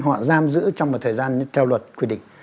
họ giam giữ trong một thời gian theo luật quy định